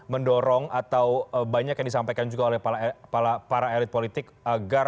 mendorong atau banyak yang disampaikan juga oleh para elit politik agar